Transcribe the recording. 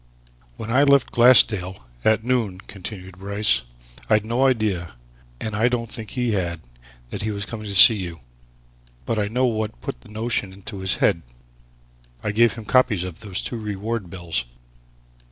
"When I left Glassdale at noon," continued Bryce, "I'd no idea and I don't think he had that he was coming to see you. But I know what put the notion into his head. I gave him copies of those two reward bills.